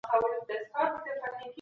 ایا په یونان کې هر ښار د دولت په څېر و؟